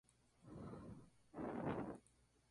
El fútbol es el deporte favorito.